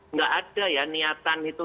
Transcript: nggak ada ya niatan itu